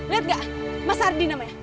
lihat gak mas ardi namanya